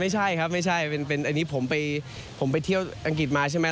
ไม่ใช่ครับไม่ใช่เป็นอันนี้ผมไปเที่ยวอังกฤษมาใช่ไหม